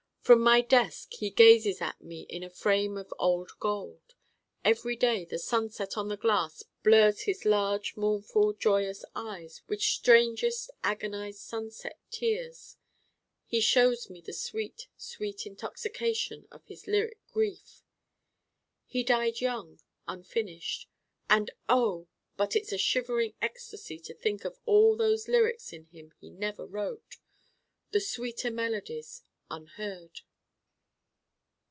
From my desk he gazes at me in a frame of old gold. Every day the sunset on the glass blurs his large mournful joyous eyes with strangest agonized sunset tears: he shows me the sweet, sweet intoxication of his lyric grief. He died young, unfinished and oh, but it's a shivering ecstasy to think of all those lyrics in him he never wrote! the sweeter melodies 'Unheard.